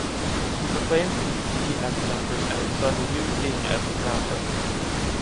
He proclaimed Lü Zhi as his empress and his son Liu Ying as the crown prince.